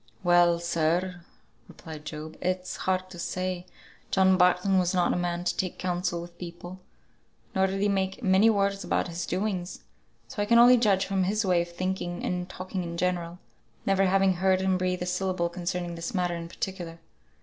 "Well, sir," replied Job, "it's hard to say: John Barton was not a man to take counsel with people; nor did he make many words about his doings. So I can only judge from his way of thinking and talking in general, never having heard him breathe a syllable concerning this matter in particular.